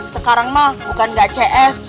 sekarang mah bukan nggak cs